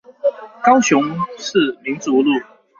高雄市民族路